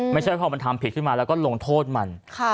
ไม่ใช่พอมันทำผิดขึ้นมาแล้วก็ลงโทษมัน